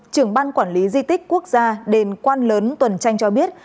trưởng ban quản lý di tích quốc gia đền quan lớn tuần tranh cho biết